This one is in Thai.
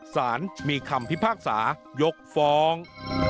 สารมีคำพิพากษายกฟ้อง